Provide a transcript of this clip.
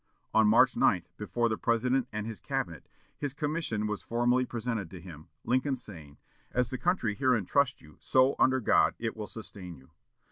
On March 9, before the President and his cabinet, his commission was formally presented to him, Lincoln saying, "As the country herein trusts you, so, under God, it will sustain you."